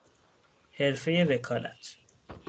حرفهی وکالت